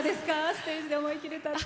ステージで思いっきり歌って。